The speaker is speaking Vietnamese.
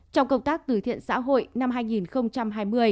trong công tác từ thiện xã hội năm hai nghìn hai mươi